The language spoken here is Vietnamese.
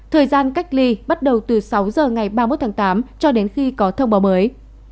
thời gian cách ly bắt đầu từ sáu giờ ngày ba mươi một tháng tám cho đến khi có thông báo mới